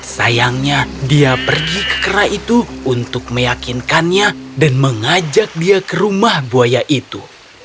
sayangnya dia pergi ke kera itu untuk meyakinkannya dan mengajak dia ke rumah buaya itu